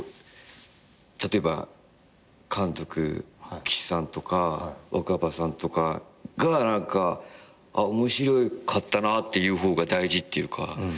例えば監督岸さんとか若葉さんとかが何か面白かったなっていう方が大事っていうか。